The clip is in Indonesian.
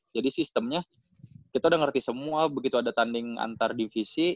jadi sistemnya kita udah ngerti semua begitu ada tanding antar divisi